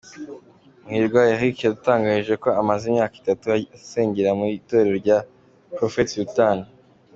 com Muhirwa Eric yadutangarije ko amaze imyaka itatu asengera mu itorero rya Prophet Sultan.